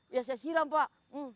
ya saya siram pak